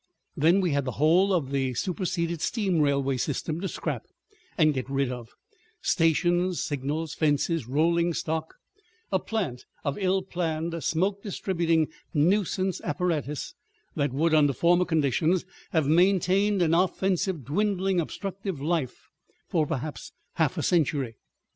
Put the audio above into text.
Then we had the whole of the superseded steam railway system to scrap and get rid of, stations, signals, fences, rolling stock; a plant of ill planned, smoke distributing nuisance apparatus, that would, under former conditions, have maintained an offensive dwindling obstructive life for perhaps half a century.